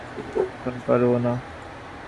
এখন পারবো না।